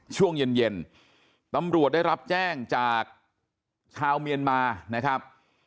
ช่วงเย็นเย็นตำรวจได้รับแจ้งจากชาวเมียนมานะครับ